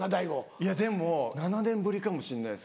いやでも７年ぶりかもしんないです。